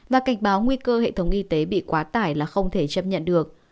và cảnh báo nguy cơ hệ thống y tế bị quá tải là không thể chấp nhận được